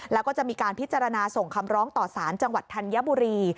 แล้วก็จะมีการพิจารณาส่งคำร้องต่อสารจังหวัดธัญบุรี